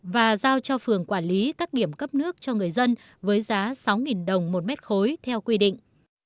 và giao cho phường quản lý các điểm cấp nước cho người dân với giá sáu đồng một mét khối theo quy định